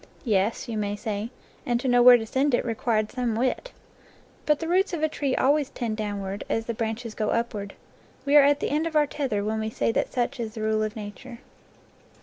"Yes," you may say, "and to know where to send it re quired some wit." But the roots of a tree always tend downward, as the branches go upward. We are at the end of our tether when we say that such is the rule of nature.